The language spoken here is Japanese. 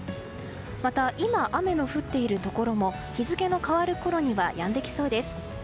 また、今雨の降っているところも日付の変わるころにはやんできそうです。